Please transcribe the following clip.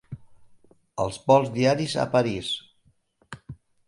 Els vols diaris a París.